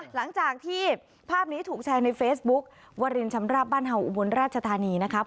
หลังจากที่ภาพนี้ถูกแชร์ในเฟซบุ๊ควรินชำราบบ้านเห่าอุบลราชธานีนะครับ